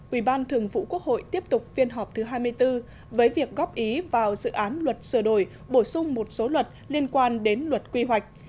ủy ban thường vụ quốc hội tiếp tục phiên họp thứ hai mươi bốn với việc góp ý vào dự án luật sửa đổi bổ sung một số luật liên quan đến luật quy hoạch